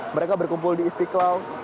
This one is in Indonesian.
mereka berkumpul di istiqlal